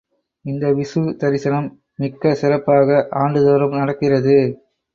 இந்த விஷு தரிசனம், மிக்க சிறப்பாக ஆண்டுதோறும் நடக்கிறது.